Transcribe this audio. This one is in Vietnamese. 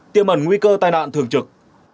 tiệm ẩn nguy cơ tai nạn thường trực